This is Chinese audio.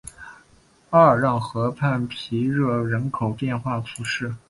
阿尔让河畔皮热人口变化图示